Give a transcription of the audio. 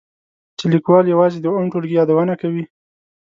چې لیکوال یوازې د اووم ټولګي یادونه کوي.